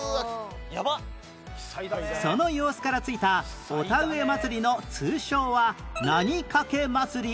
その様子から付いたお田植祭の通称は何かけ祭？